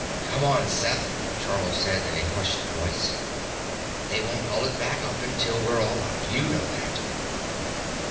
"Come on, Seth," Charl said in a hushed voice. "They won't haul it back up until we're all out. You know that."